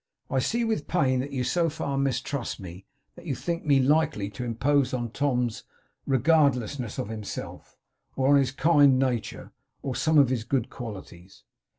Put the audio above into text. I see with pain that you so far mistrust me that you think me likely to impose on Tom's regardlessness of himself, or on his kind nature, or some of his good qualities.